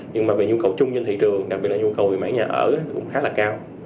nhưng mà về nhu cầu chung trên thị trường đặc biệt là nhu cầu về máy nhà ở cũng khá là cao